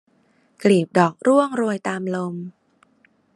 กลีบดอกร่วงโรยตามลม